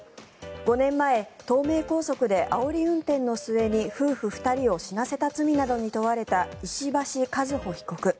５年前東名高速であおり運転の末に夫婦２人を死なせた罪などに問われた石橋和歩被告。